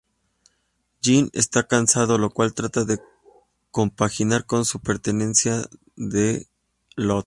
Jim está casado, lo cual trata de compaginar con su pertenencia a los "Lost".